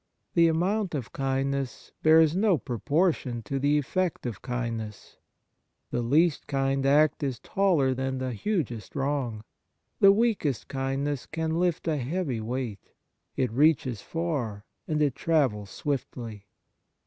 The amount of kindness bears no proportion to the effect of kindness. The least kind action is taller than the hugest wrong. The weakest kindness can lift a heavy weight ; it reaches far, and it travels swiftly.